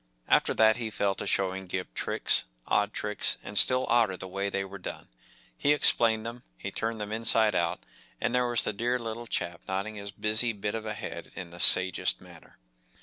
After that he fell to showing Gip tricks, odd tricks, and still odder the way they were done. He explained them, he turned them inside out, and there was the dear little chap nodding his busy bit of a head in the sagest manner.